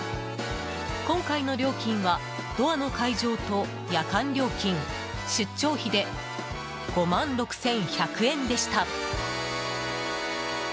今回の料金はドアの解錠と夜間料金、出張費で５万６１００円でした。